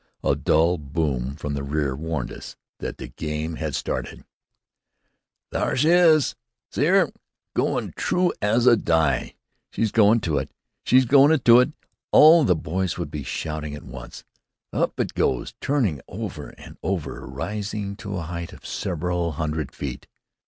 A dull boom from the rear warned us that the game had started. "There she is!" "See 'er? Goin' true as a die!" "She's go'n' to 'it! She's go'n' to 'it!" All of the boys would be shouting at once. Up it goes, turning over and over, rising to a height of several hundred feet.